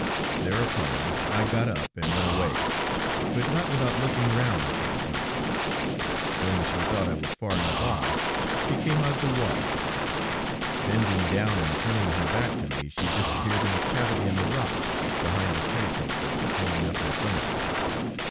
Thereupon, I got up and went away, but not without looking round several times. When she thought I was far enough off, she came out of the water; bending down and turning her back to me, she disappeared in a cavity in the rock, behind a petticoat that was hanging up in front of it.